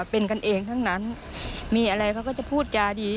เป็นกันเองทั้งนั้นมีอะไรเขาก็จะพูดจาดี